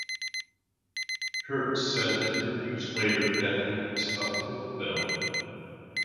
Peart said in interviews later that the rhythm stuck with them.